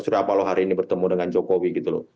surya paloh hari ini bertemu dengan jokowi gitu loh